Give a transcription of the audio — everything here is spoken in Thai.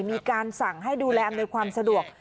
มีการสั่งให้ดูแลอำนวยความสะดวก